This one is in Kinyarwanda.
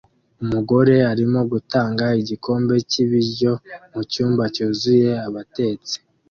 Umugore arimo gutanga igikombe cyibiryo mucyumba cyuzuye abatetsi